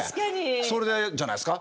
それでじゃないですか？